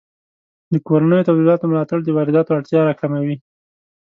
د کورنیو تولیداتو ملاتړ د وارداتو اړتیا راکموي.